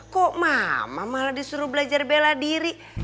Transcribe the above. kok mama malah disuruh belajar bela diri